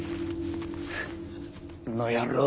この野郎。